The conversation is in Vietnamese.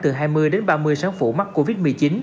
từ hai mươi đến ba mươi sáng phủ mắc covid một mươi chín